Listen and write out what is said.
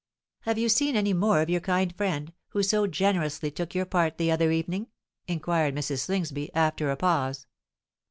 "Have you seen any more of your kind friend, who so generously took your part the other evening?" inquired Mrs. Slingsby, after a pause.